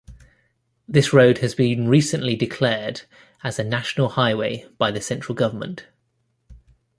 This road has been recently declared as a National Highway by the central government.